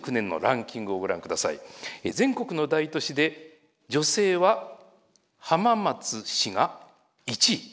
全国の大都市で女性は浜松市が１位。